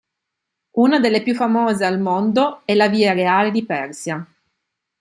Una delle più famose al mondo è la Via Reale di Persia.